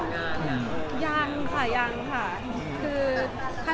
ก่อนหนึ่งซับดีสิโนี้